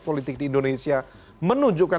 politik di indonesia menunjukkan